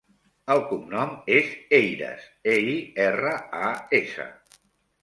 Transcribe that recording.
El cognom és Eiras: e, i, erra, a, essa.